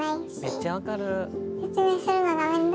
めっちゃ分かる。